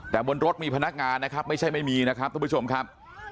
แต่บนรถมีพนักงานนะครับไม่ใช่ไม่มีนะครับทุกผู้ชมครับ